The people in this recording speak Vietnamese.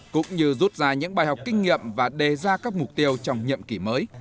cũng như rút ra những bài học kinh nghiệm và đề ra các mục tiêu trong nhậm ký mới